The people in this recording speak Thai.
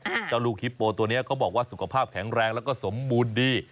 เจ้าลูกฮิปโปตัวเนี้ยเขาบอกว่าสุขภาพแข็งแรงแล้วก็สมบูรณ์ดี